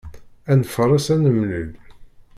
Ad nfaṛes ad nemlil.